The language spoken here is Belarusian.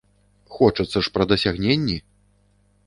Хочацца ж пра дасягненні!